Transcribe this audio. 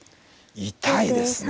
痛いですね。